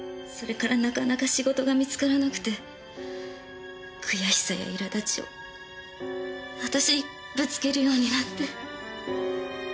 それからなかなか仕事が見つからなくて悔しさや苛立ちを私にぶつけるようになって。